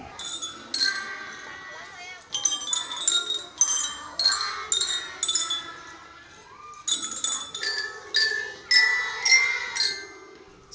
saya bisa berusaha untuk membuatnya lebih baik